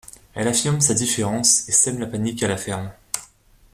Elle affirme sa différence et sème la panique à la ferme.